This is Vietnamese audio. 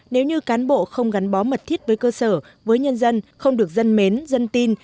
nếu như cán bộ không gắn bó mật thiết với cơ sở với nhân dân không được dân mến dân tin